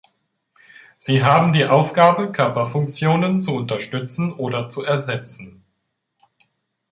Sie haben die Aufgabe, Körperfunktionen zu unterstützen oder zu ersetzen.